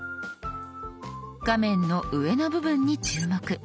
画面の上の部分に注目。